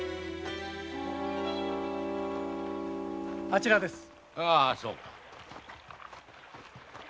あちらです。